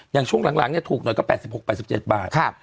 อย่างช่วงหลังหลังเนี้ยถูกหน่อยก็แปดสิบหกแปดสิบเจ็ดบาทครับ